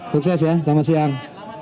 sukses ya selamat siang